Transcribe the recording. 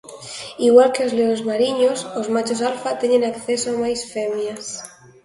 Igual que os leóns mariños, os machos alfa teñen acceso a máis femias.